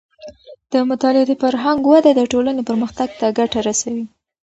د مطالعې د فرهنګ وده د ټولنې پرمختګ ته ګټه رسوي.